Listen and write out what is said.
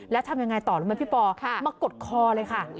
แล้วทำยังไงต่อรู้ไหมพี่ปอมากดคอเลยค่ะ